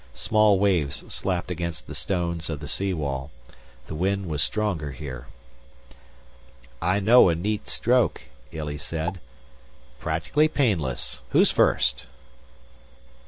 Small waves slapped against the stones of the sea wall. The wind was stronger here. "I know a neat stroke," Illy said. "Practically painless. Who's first?"